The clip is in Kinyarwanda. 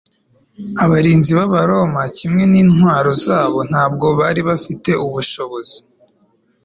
Abarinzi b'abaroma kimwe n'intwaro zabo ntabwo bari bafite ubushobozi